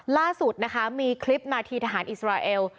ล่าสุดนะคะมีคลิปนาทีทหารอิสราเอล